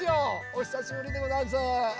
おひさしぶりでござんす。